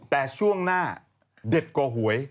แต่ช่วงหน้าเด็ดกว่าหวย